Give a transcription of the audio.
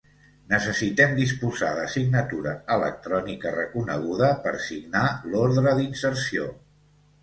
Necessitem disposar de signatura electrònica reconeguda per signar l'ordre d'inserció.